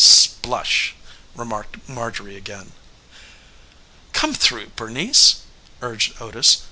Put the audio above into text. "Splush!" remarked Marjorie again. "Come through, Bernice," urged Otis.